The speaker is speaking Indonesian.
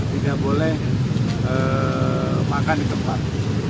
tidak boleh makan di tempat